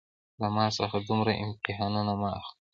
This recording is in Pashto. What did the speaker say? له ما څخه دومره امتحانونه مه اخله